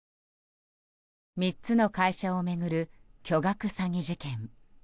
３つの会社を巡る巨額詐欺事件。